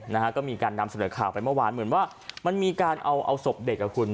นะฮะก็มีการนำเสนอข่าวไปเมื่อวานเหมือนว่ามันมีการเอาเอาศพเด็กอ่ะคุณ